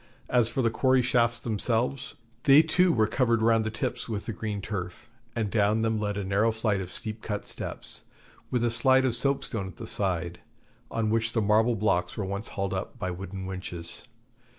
As for the quarry shafts themselves, they too were covered round the tips with the green turf, and down them led a narrow flight of steep cut steps, with a slide of soap stone at the side, on which the marble blocks were once hauled up by wooden winches.